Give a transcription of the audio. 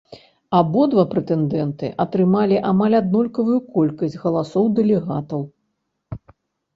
Абодва прэтэндэнты атрымалі амаль аднолькавую колькасць галасоў дэлегатаў.